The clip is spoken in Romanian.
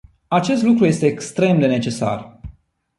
Acest lucru este extrem de necesar.